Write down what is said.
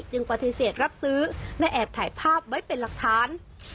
ยังปฏิเสธรับซื้อและแอบถ่ายภาพไว้เป็นหลักฐาน